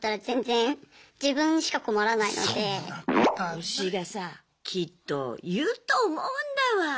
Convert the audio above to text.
推しがさきっと言うと思うんだわ。